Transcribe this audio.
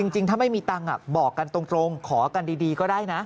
จริงถ้าไม่มีตังค์บอกกันตรงขอกันดีก็ได้นะ